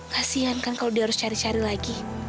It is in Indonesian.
kasian kan kalau dia harus cari cari lagi